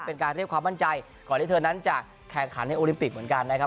เป็นการเรียกความมั่นใจก่อนที่เธอนั้นจะแข่งขันในโอลิมปิกเหมือนกันนะครับ